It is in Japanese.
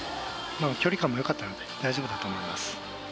距離感もよかったので大丈夫だと思います。